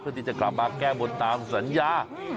ที่จะกลับมาแก้บนตามสัญญา